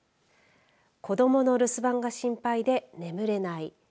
子どもの留守番が心配で眠れない。